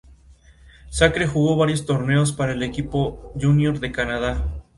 Contrajo matrimonio con Raquel Celedón Silva.